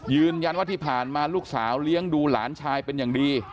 ยืนยันว่าที่ผ่านมาลูกสาวเลี้ยงดูหลานชายเป็นอย่างดี